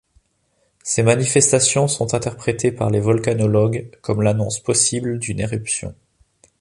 Ces manifestations sont interprétées par les volcanologues comme l'annonce possible d'une éruption.